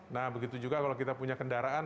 nah begitu juga kalau kita punya kendaraan